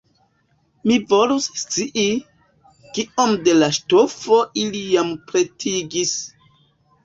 Mi volus scii, kiom de la ŝtofo ili jam pretigis!